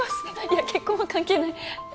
いや結婚は関係ない。